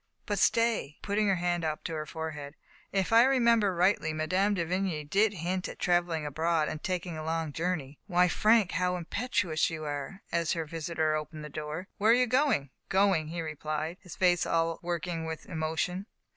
But stay/* putting her hand up to her forehead, " if I re member rightly, Mme. de Vigny did hint at traveling abroad and taking a long journey. Why, Frank, how impetuous you are !as her visitor opened the door. " Where are you going? " Going !he replied, his face all working with emotion.